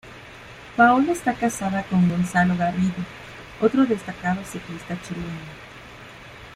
Paola está casada con Gonzalo Garrido, otro destacado ciclista chileno.